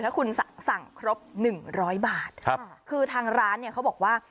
ถ้าคุณสั่งครบหนึ่งร้อยบาทครับคือทางร้านเนี่ยเขาบอกว่า